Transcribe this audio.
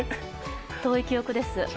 遠い記憶です。